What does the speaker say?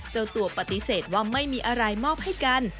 เจ้าตัวปฏิเสธว่าไม่มีอะไรมอบให้กัน